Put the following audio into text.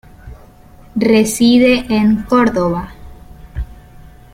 Reside en Córdoba.